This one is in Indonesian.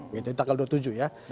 jadi tanggal dua puluh tujuh ya